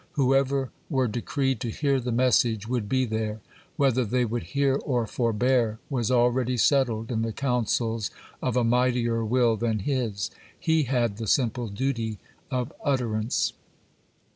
Whoever were decreed to hear the message would be there; whether they would hear or forbear was already settled in the counsels of a mightier will than his: he had the simple duty of utterance.